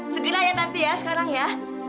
sekiranya tante sekarang ya